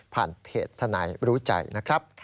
เพจทนายรู้ใจนะครับ